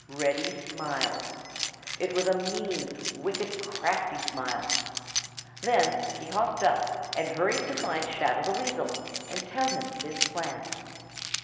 Reddy smiled. It was a mean, wicked, crafty smile. Then he hopped up and hurried to find Shadow the Weasel and tell him his plan.